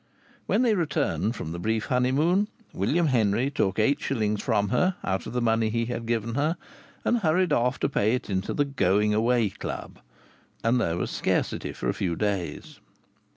When they returned from the brief honeymoon, William Henry took eight shillings from her, out of the money he had given her, and hurried off to pay it into the Going Away Club, and there was scarcity for a few days.